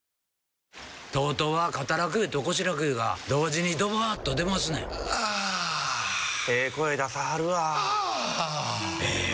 ＴＯＴＯは肩楽湯と腰楽湯が同時にドバーッと出ますねんあええ声出さはるわあええ